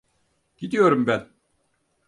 Gidiyorum ben.